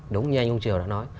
đúng như anh ông triều đã nói